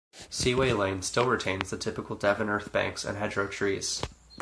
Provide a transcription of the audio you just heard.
Seaway Lane still retains the typical Devon earth banks and hedgerow trees.